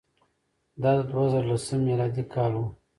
دا د دوه زره لسم میلادي کال وو.